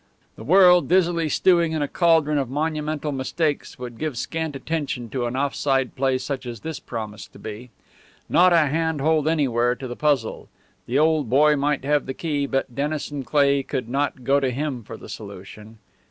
The world, dizzily stewing in a caldron of monumental mistakes, would give scant attention to an off side play such as this promised to be. Not a handhold anywhere to the puzzle. The old boy might have the key, but Dennison Cleigh could not go to him for the solution.